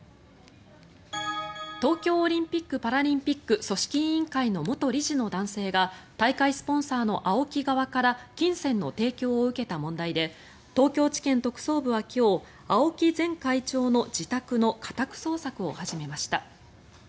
東京オリンピック・パラリンピック組織委員会の元理事の男性が大会スポンサーのＡＯＫＩ側から金銭の提供を受けた問題で東京地検特捜部は今日青木前会長の自宅の家宅捜索を始めました。